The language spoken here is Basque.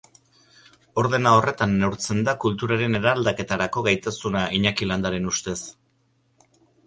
Ordena horretan neurtzen da kulturaren eraldaketarako gaitasuna Iñaki Landaren ustez.